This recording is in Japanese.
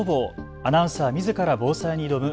アナウンサーみずから防災に挑む＃